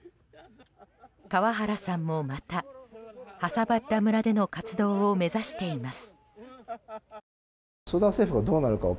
川原さんもまたハサバッラ村での活動を目指しています。